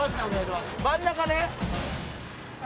真ん中ね！